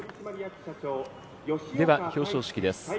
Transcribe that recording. では表彰式です。